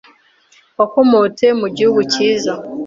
Wakomotse mu gihugu cyiza